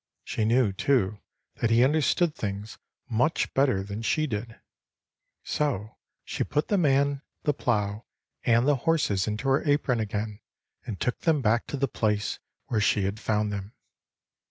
She knew, too, that he understood things much better than she did. So she put the man, the plow, and the horses into her apron again, and took them back to the place where she had found them.